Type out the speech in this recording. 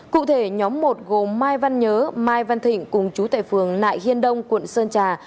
cụ thể nhóm một gồm mai văn nhớ mai văn thịnh cùng chú tệ phường nại hiên đông quận sơn trà